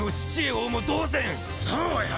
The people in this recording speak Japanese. そうや。